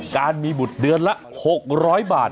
การมีบุตรเดือนละ๖๐๐บาท